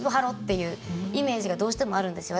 いうイメージがどうしてもあるんですよ。